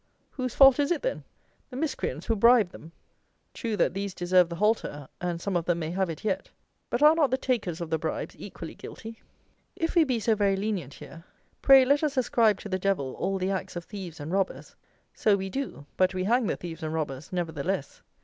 Whose fault is it, then? The miscreants who bribe them? True, that these deserve the halter (and some of them may have it yet); but are not the takers of the bribes equally guilty? If we be so very lenient here, pray let us ascribe to the Devil all the acts of thieves and robbers: so we do; but we hang the thieves and robbers, nevertheless.